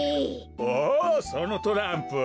おおそのトランプは。